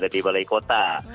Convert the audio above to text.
di balai kota